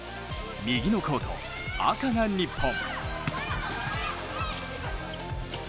右のコート、赤が日本。